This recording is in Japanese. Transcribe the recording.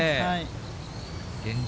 現状